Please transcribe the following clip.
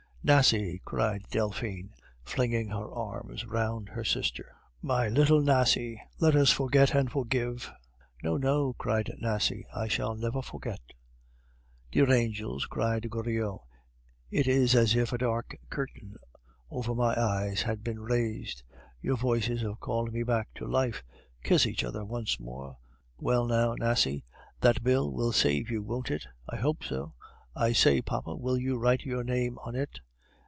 "Nasie," cried Delphine, flinging her arms round her sister, "my little Nasie, let us forget and forgive." "No, no," cried Nasie; "I shall never forget!" "Dear angels," cried Goriot, "it is as if a dark curtain over my eyes had been raised; your voices have called me back to life. Kiss each other once more. Well, now, Nasie, that bill will save you, won't it?" "I hope so. I say, papa, will you write your name on it?"